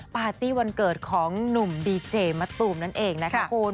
ปาร์ตี้วันเกิดของหนุ่มดีเจมะตูมนั่นเองนะคะคุณ